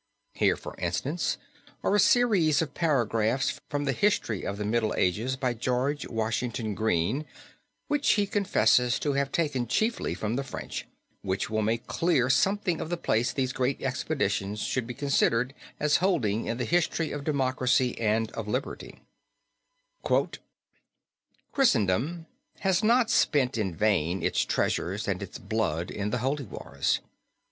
Here, for instance, are a series of paragraphs from the history of the Middle Ages by George Washington Greene, which he confesses to have taken chiefly from the French, [Footnote 33] which will make clear something of the place these great expeditions should be considered as holding in the history of democracy and of liberty: [Footnote 33: New York, Appleton, 1867.] "Christendom had not spent in vain its treasures and its blood in the holy wars.